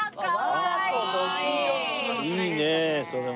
いいねえそれも。